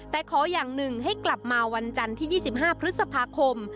แต่ขออย่างหนึ่งให้กลับมาวันจันทร์ที่๒๕พฤษภาคม